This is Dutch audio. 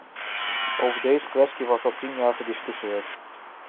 Over deze kwestie wordt al tien jaar gediscussieerd.